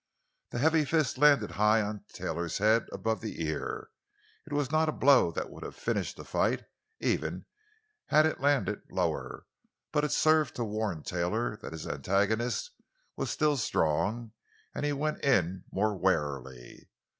The heavy fist landed high on Taylor's head above the ear. It was not a blow that would have finished the fight, even had it landed lower, but it served to warn Taylor that his antagonist was still strong, and he went in more warily.